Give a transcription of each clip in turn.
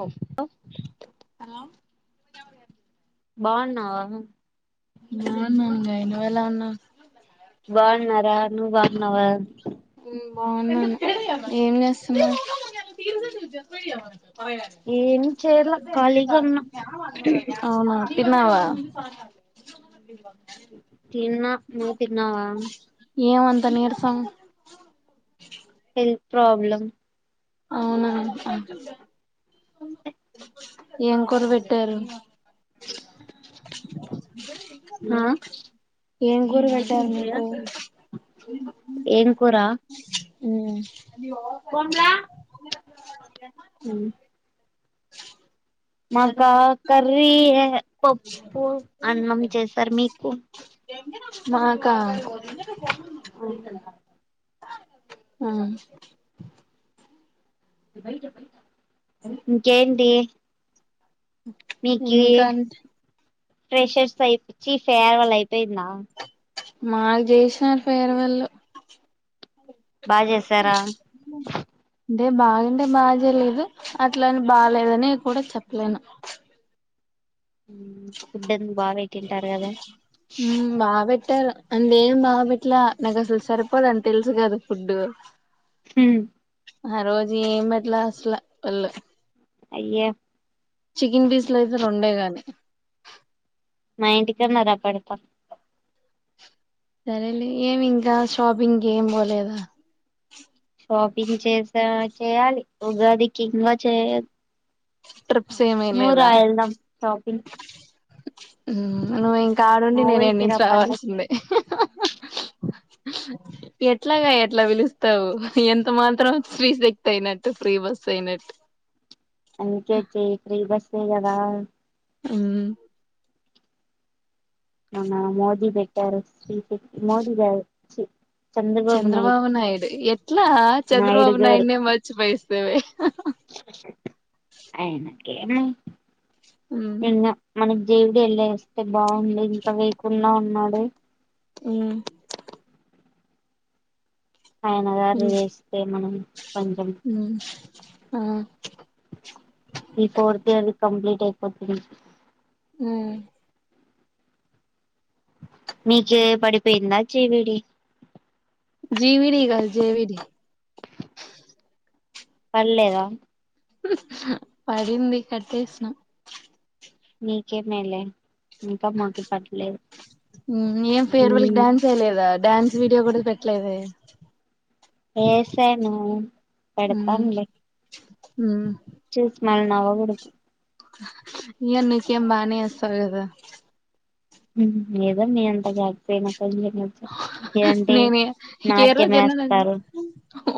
ఓహ్ అ ఎడ బాగున్నావా? బాగున్నాన్ గాయి. నువ్ ఎలా ఉన్నావు? బావున్నారా. నువ్వు బాగున్నావ? మ్ బాగున్నాను. ఏం చేస్తున్నావ్? ఏం చేయల ఖాళీగా ఉన్నా అవునా తిన్నావా? తిన్న. నువ్వు తిన్నావా? పనీర్సంగ్ ఇ ప్రాబ్లమ్. ఆ ఏం కూర పెట్టారు? ఆ ఏం కూర పెట్టారు మీకు? ఏం కూర మ్ మాది పా కర్రీ పప్పు అన్నం చేసారు. మీకు? మాక? అవునా! మ్ ఇంకేంటి? మీకి ఇంక అంత్ ఫ్రెషర్స్ పైప్ చీ ఫేర్వెల్ అయిపోయిందా? మాకి చేసినారు ఫేర్వెల్. బా చేసారా? అంటే, బాగంటే బా చేలేదు. అట్లని బాలేదని కూడ చెప్పలేను. మ్ ఫుడ్ అన్ని బా పెట్టింటారు కదా! మ్మ్ బాగా పెట్టారు అంతెం బాబెట్లా నాకు అసలు సరిపోదని తెలుసు కద ఫుడ్ హ ఆ రోజు ఏం బేట్ల అసలు వాళ్ళు అయ్యే చికెన్ పీస్ లు అయితే రెండే గాని మా ఇంటికి అన్న రా పెడత సరేలే ఏమి ఇంకా షాపింగ్ ఏం పోలేదా షాపింగ్ చేసా చేయాలి ఉగాదికింకా చేయాలీ ట్రిప్స్ ఏమీ లేదా షాపింగ్ నువ్వు ఇంకా మా ఆడుండి నేను ఊరికి రా ఇనించి పండక్కి రావాల్సిందే ఎట్లాగా ఎట్లా పిలుస్తావు ఎంత మాత్రం ఫీస్ ఎక్కువ అయినట్టు ఫ్రీ బస్ అయినట్టు అందుకేచేయి ఫ్రీ బస్ ఎ కదా హూ మన్న మోదీ బెట్టారు శ్రీశక్తి మోదీ గారు చి చంద్రబాబు నాయుడు ఎట్లా నాయుడు చంద్రబాబు నాయుడునే మర్చిపోయేస్తేవి అయినకేమీ మ్మ్ ఇంగ మన జేవుడి వెళ్ళ వేస్తే బాగుంది ఇంకా వేకుండా ఉన్నాడే అ ఆయన గారు మ్మ్ వేస్తే మనం కొంచెం మ్మ్ ఆ ఈ ఫోర్త్ ఇయర్ కంప్లీట్ అయిపోది ఊ మీకే పడిపోయిందా జీవిడి జీవిడి గాదు జెవిడి పడ్లేదా పడింది కట్టేసినం మీకే మేలే ఇంకా మాకు పట్ ఏం ఫేర్వెల్ కి డ్యాన్స్ చేయలేదా డాన్స్ వీడియో కూడా పెట్టలేడే చేసాను పెడతానులే హ చూసి మాల నవగూడదు ఇయ నీకేం బానే ఏస్తావు గద ఏదొ ని అంత గాదులే [unintelligible] మీరంటే నేనే నాట్యం వేస్తారు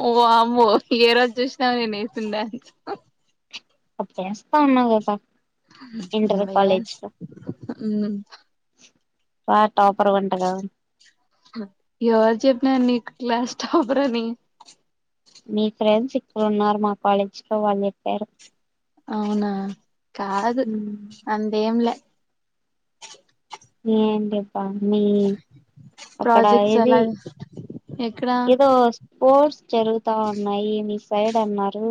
ఓ వమ్మో ఏ రోజు చూసినావు నేను వేసిన డ్యాన్స్ ఆ చేస్తా ఉన్నాంగద [unintelligible] పా ఎవరు చెప్పినరూ నీకు క్లాస్ టాపరని మీ ఫ్రెండ్స్ ఇక్కడ ఉన్నారు మా కాలేజీ లో వాళ్ళు చెప్పారు అవునా కాదు అంతేం లే ఏం [unintelligible] మీ అక్కడ ప్రాజెక్ట్స్ ఏది ఎలా ఏదో స్పోర్ట్స్ జరుగుతా ఉన్నాయి మీ సైడ్ అన్నారు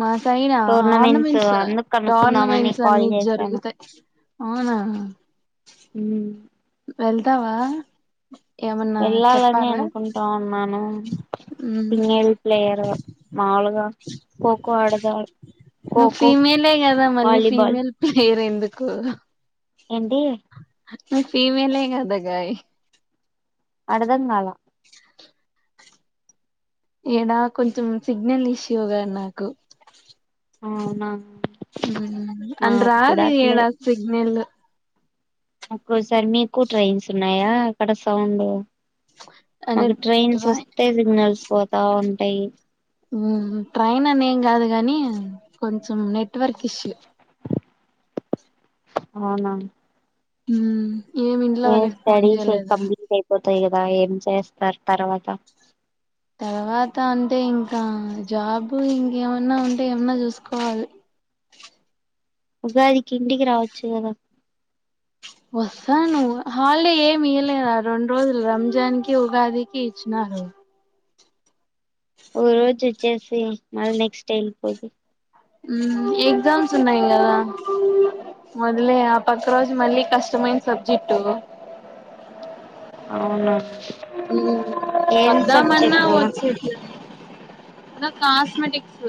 మా సైడ్ ఆ టోర్నమెంట్స్ ఆర్నమెంట్స్ అందుకు కనుక్కుందామని టోర్నమెంట్స్ కాల్ అన్ని చేశాను జరుగుతాయి అవునా హూ వెళ్తావా ఏమన్నా వెళ్ళాలనే చెప్పాలా అనుకుంటా ఉన్నాను. మ్మ్ సింగల్ ప్లేయరు మాములుగా ఖో ఖో ఆడదా [unintelligible] నువ్వు ఖోఖో ఫీమేలే కదా మళ్ళీ వాలీబాల్ ఫీమేల్ ప్లేయర్ ఎందుకు? ఏంటి నువ్వు ఫీమేలే గదా గాయ్ అడ్దం కాలా ఇడా కొంచెం సిగ్నల్ ఇష్యూ గా నాకు అవునా హుమ్ మాకు కూడా అంద్రాది ఈడ అట్లే సిగ్నెల్ ఒక్కోసారి మీకు ట్రైన్స్ ఉన్నాయా అక్కడ సౌండ్ అనే మాకు ట్రైన్స్ ట్రై వస్తే సిగ్నల్స్ పోతా ఉంటాయి. హుమ్ ట్రైన్ అని ఏం కాదు గానీ కొంచెం నెట్వర్క్ ఇష్యూ అవునా ఉమ్ హయ్యర్ స్టడీస్ కంప్లీట్ అయిపోతాయి గదా ఏం చేస్తారు తర్వాత? తర్వాత అంటే ఇంకా జాబు ఇంకేమన్నా ఉంటే ఏమన్నా చూసుకోవాలి. ఉగాదికి ఇంటికి రావచ్చు గదా వస్తాను హాలిడే ఏమి ఇయలే రా రెండు రోజులు రంజాన్ కి ఉగాదికి ఇచ్చినార్ ఉమ్ ఒకరోజు వచ్చేసి మళ్ళీ నెక్స్ట్ డే వెళ్ళిపోదు. ఊమ్ ఎగ్జామ్స్ ఉన్నాయి గదా మొదులే ఆప్ ఒక్కరోజు మళ్ళీ కష్టమైన సబ్జెక్టు అవునా హుమ్ ఏం వద్దామన్నా సబ్జెక్ట్ వచ్చిద్ది. నా కాస్మెటిక్స్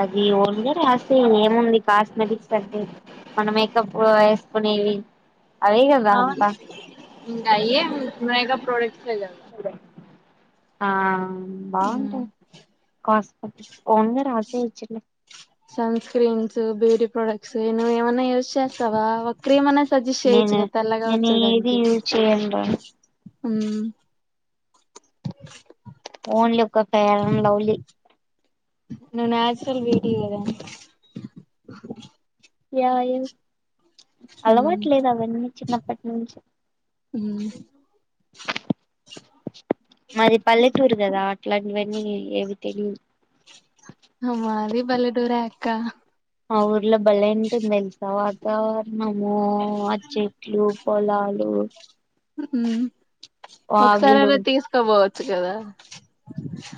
అది ఓన్ గా రాసెయ్ ఏముంది కాస్మెటిక్స్ అంటే మన మేకప్ ఆ వేసుకొనేవి ఇంగ అయ్యే మేకప్ ప్రొడక్ట్సే లేవు గా ఆ మ్మ్ బావుంటాయి కాస్మెటిక్స్ ఓన్ గా Ross [unintelligible] sun screens beauty products నువ్వు ఏమన్నా యూస్ చేస్తావా ఒక క్రీమన్నా సజెస్ట్ చేయొచ్చు నేను గా తెల్లగా నేను ఏది వచ్చేదానికి యూజ్ చేయనురా ఉమ్ ఓన్లీ ఒక్క ఫైర్ అండ్ లవ్లీ నువ్వు నాచురల్ బ్యూటీ గదా ఉమ్ అలవాట్లేదు అవన్నీ చిన్నప్పటి నుంచి ఉమ్ మాది పల్లెటూరు గదా అట్లాంటివన్నీ ఏవి తెలీదు ఆ మాది పల్లెటూరే అక్కా మా ఊర్లో బలే ఉంటుంది తెల్సా వాతావరణము ఆ చెట్లు పొలాలు ఒకసారి వాగులు అయినా తీస్కబోవచ్చు గదా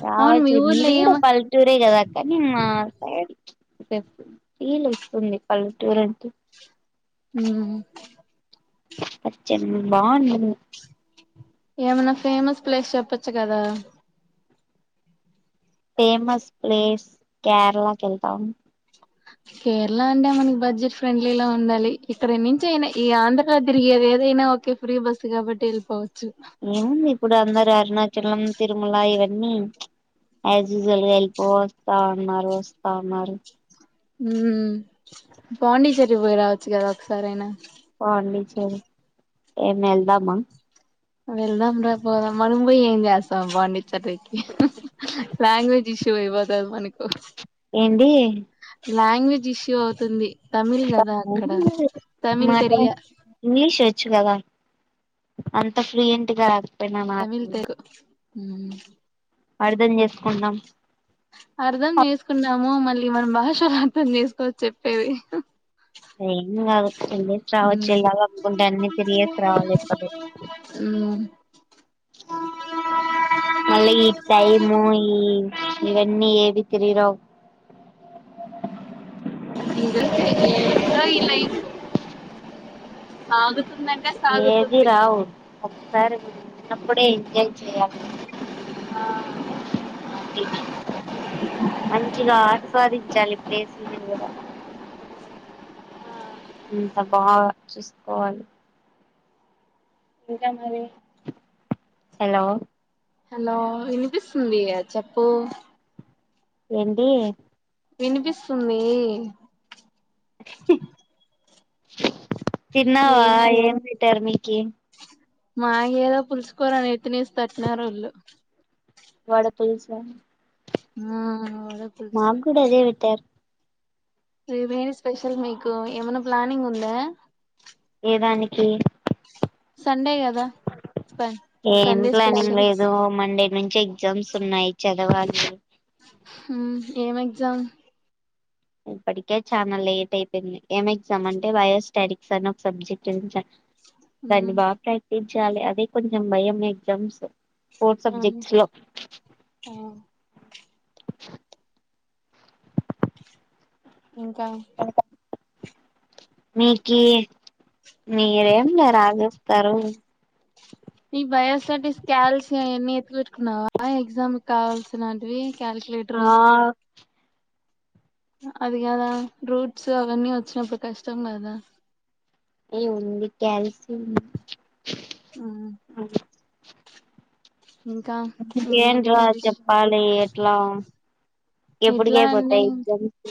రావచ్చు గదా మీది కూడా పల్లెటూరే గద అక్క కాని మా సైడ్ ఫీల్ వస్తుంది పల్లెటూరు అంటే ఉమ్ పచ్చని బావుంటుంది ఏమన్నా ఫేమస్ ప్లేస్ చెప్పొచ్చు గదా ఫేమస్ ప్లేస్ కేరళ కెళ్తాం కేరళ అంటే మనకి బడ్జెట్ ఫ్రెండ్లీలా ఉండాలి ఇక్కడ నుంచి అయినా ఈ ఆంధ్ర లో తిరిగేది ఏదై అదైనా ఓకే ఫ్రీ బస్సు కాబట్టి ఎళ్లిపో ఏముంది ఇప్పుడు అందరు అరుణాచలం తిరుమల ఇవన్నీ యాజ్ యూజువల్ గా వెళ్ళిపోస్తా ఉన్నారు వస్తా ఉన్నారు ఉమ్ పాండిచ్చేరి పోయి రావచ్చు కదా ఒకసారి అయినా పోండిచ్చేరి ఏం వెల్దామ వెళ్దాం రాపోదాం మనం పోయి ఏం చేస్తాం పాండిచ్చేరికి లాంగ్వేజ్ ఇ ష్యువైవోతది మనకు ఏండి లాంగ్వేజ్ ఇష్యూ అవుతుంది తమిళ్ కదా అక్కడ తమిళ్ మాట తెరియ ఇంగ్లీష్ వ చ్చ కదా అంత ప్లుయంట్ కాదు తెవిల్తెరు మ్మ్ అర్ధం జేసుకున్నాం అర్ధం జేసుకున్నాము మళ్ళీ మన భాషలో అర్థం జేసుకోవచ్చు చెప్పేది ఏం కాదు ఎళ్ళేసి రావచ్చు ఉమ్ ఎళ్ళాలి అనుకుంటే అన్ని తిరిగేసి రావాలి ఇప్పుడే ఉమ్మ్ మళ్ళ ఈ టైము ఈ ఇ యన్నీ ఏవి తిరిగిరావ్ ఏంటో ఈ లైఫ్ ఆగ్ ఏది రావు ఒకసారి మనం ఉన్నప్పుడే ఎంజాయ్ చేయాలండి పార్టీ ది మంచిగా ఆస్వాదించాలి ప్లేసుల్ ని కూడా అంత బాగా చూసుకోవాలి ఇంకా మరి హలో హలో ఇనిపిస్తుంది గా చెప్పు ఏంటిీ వినిపిస్తుందీ తిన్నావా ఏం పెట్టారు మీకి మాకేదో పులుసు కూర నెత్తినేసి తట్టినారు ఒళ్ళు వాడ పులుసా ఆ మాగూడా అదే వెట్టారు రేపె ఎ స్పెషల్ మీకు ఏమన్న ప్లానింగ్ ఉందా ఇ దానికి సండే కదా ప ఏం సండే ప్లానింగ్ స్పెషల్స్ లేదు మండే నుంచి ఎగ్జామ్స్ ఉన్నాయ్ చదవాలి ఏం ఎగ్జామ్ ఇప్పటికే చాలా లేట్ అయిపోయింది ఏం ఎగ్జామ్ అంటే బయోస్టెటిక్స్ అని ఒక సబ్జెక్ట్ నుంచి ఉమ్ దాన్ని బాగా ప్రాక్టి చాలి అదే కొంచెం భయం ఎగ్జామ్స్ ఫోర్ అవును సబ్జెక్ట్స్ లో ఆ ఇంకా మీకి మీరేం లే రాసెస్తారు ఈ బయోసెటిస్ కాల్షియ ఆయన్ని ఎత్తి వెట్టుకున్నావా ఎగ్జామ్ కావాల్సినంటివి క్యాలిక్యులేట్రు ఆ అది కాదా రూట్స్ అవన్నీ వచ్చినప్పుడు కష్టం కదా ఏ ఉంది క్యాల్సి ఉంది మ్మ్ ఇంకేంటి ఏంట్రా విశేష్ చెప్పాలి ఎట్లా ఎట్లా అండి ఎప్పుడుకైపోతాయ్ ఎగ్జామ్స్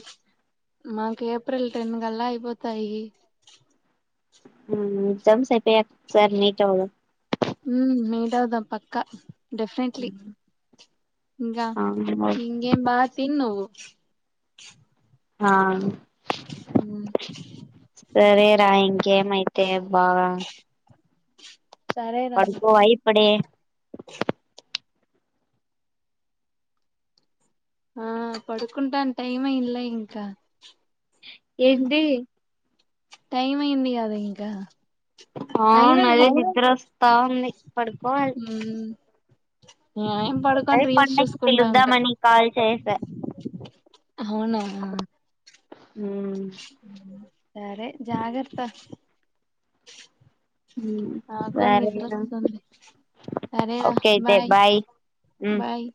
మాకు ఏప్రిల్ టెన్ కల్లా అయిపోతాయి మ్ ఎగ్జామ్స్ ఐపోయాక ఒకసారి మీట్ అవుదాం మ్ మీట్అవుదాం పక్క డెఫినెట్లీ ఇంగా ఇంగేం బా తిన్ నువ్వు ఆను ఉమ్ సరే రాయి గేమ్ అయితే బాగా సరే రా పడుకోవా ఇప్పుడే ఆ పడుకుంటాను టైమ్ అయ్ న్ల ఇంకా ఏంది టైమ ఐంది గదా ఇంకా ఆ అయినా అదే ఈ నిద్ర వస్తా ఉంది పడుకోవాలి నేన్ అదే పడుకొని రీల్స్ పండక్కి చూసుకుంటా ఉంటా పిలుద్దామని కాల్ చేసా అవునా మ్ సరే జాగ్రత్త ఉమ్ నాగూడ సరేరా నిద్రొస్తుంది సరేర ఓకే అయితే బాయ్ ఉమ్ బాయ్